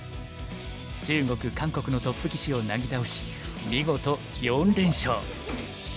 中国韓国のトップ棋士をなぎ倒し見事４連勝。